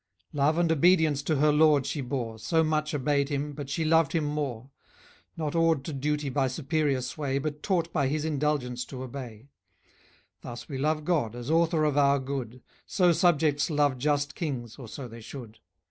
Love and obedience to her lord she bore; She much obeyed him, but she loved him more: Not awed to duty by superior sway, But taught by his indulgence to obey. Thus we love God, as author of our good; So subjects love just kings, or so they should.